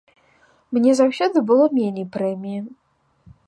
Мне заўсёды было меней прэміі.